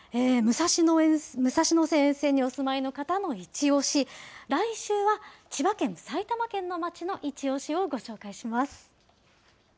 武蔵野線沿線にお住まいの方のいちオシ、来週は千葉県、埼玉県の街のいちオシをご紹介します。